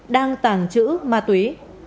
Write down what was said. đang tàng trữ ma túy